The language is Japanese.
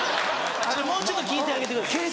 もうちょっと聞いてあげてください。